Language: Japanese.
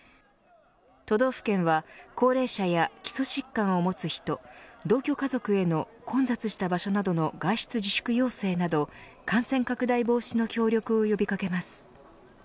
都道府県は高齢者や基礎疾患を持つ人、同居家族への混雑した場所などの外出自粛要請など感染拡大防止の協力を呼び掛けます。